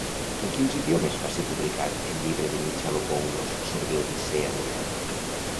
En quins idiomes va ser publicat el llibre de Michalopoulos sobre l'Odissea d'Homer?